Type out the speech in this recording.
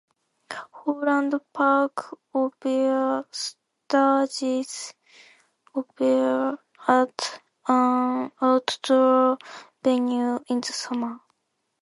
Holland Park Opera stages opera at an outdoor venue in the summer.